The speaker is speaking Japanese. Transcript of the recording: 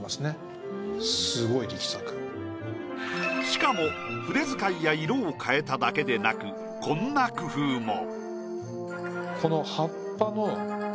しかも筆使いや色を変えただけでなくこんな工夫も。